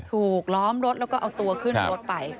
ล้อมรถแล้วก็เอาตัวขึ้นรถไป